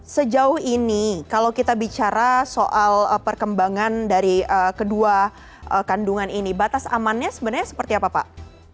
sejauh ini kalau kita bicara soal perkembangan dari kedua kandungan ini batas amannya sebenarnya seperti apa pak